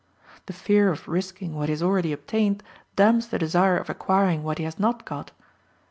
The fear of risking what he has already obtained damps the desire of acquiring what he has not got.